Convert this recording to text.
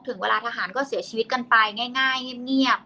ถึงเวลาทหารก็เสียชีวิตกันไปง่ายเงียบ